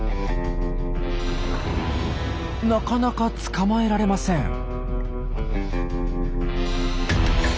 なかなか捕まえられません。